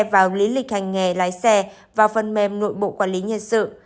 vào lý lịch hành nghề lái xe vào phần mềm nội bộ quản lý nhân sự